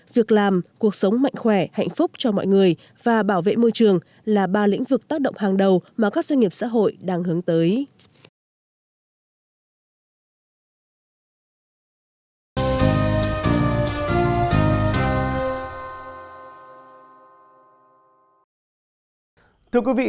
việc làm cuộc sống mạnh khỏe hạnh phúc cho mọi người và bảo vệ môi trường là ba lĩnh vực tác động hàng đầu mà các doanh nghiệp xã hội đang hướng tới